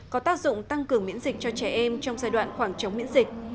có tác dụng tăng cường miễn dịch cho trẻ em trong giai đoạn khoảng chống miễn dịch